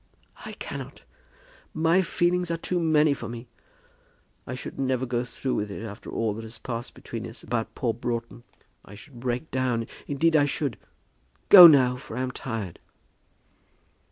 "I cannot. My feelings are too many for me. I should never go through with it after all that has passed between us about poor Broughton. I should break down; indeed I should. Go now, for I am tired."